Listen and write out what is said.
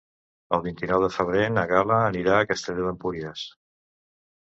El vint-i-nou de febrer na Gal·la anirà a Castelló d'Empúries.